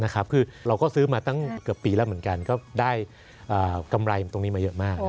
คือเราก็ซื้อมาตั้งเกือบปีแล้วเหมือนกันก็ได้กำไรตรงนี้มาเยอะมาก